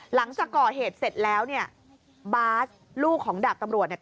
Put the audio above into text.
หลังจากก่อเหตุเสร็จแล้วเนี่ยบาสลูกของดาบตำรวจเนี่ย